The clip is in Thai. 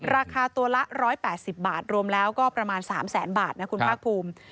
ราคาตัวละ๑๘๐บาทรวมแล้วก็ประมาณ๓แสนบาทนะคุณภาคภูมิ